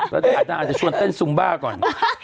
แล้วนางอาจจะชวนเต้นซุมบ้าก่อน